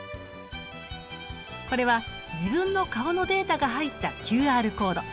これは自分の顔のデータが入ったＱＲコード。